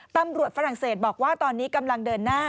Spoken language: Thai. ฝรั่งเศสบอกว่าตอนนี้กำลังเดินหน้า